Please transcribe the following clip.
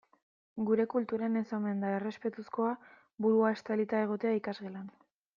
Gure kulturan ez omen da errespetuzkoa burua estalita egotea ikasgelan.